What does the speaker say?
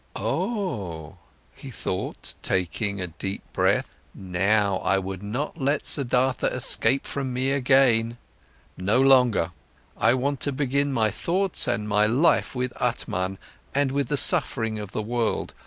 "Oh," he thought, taking a deep breath, "now I would not let Siddhartha escape from me again! No longer, I want to begin my thoughts and my life with Atman and with the suffering of the world.